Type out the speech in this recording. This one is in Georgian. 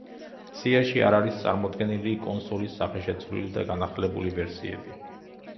სიაში არ არის წარმოდგენილი კონსოლის სახეშეცვლილი და განახლებული ვერსიები.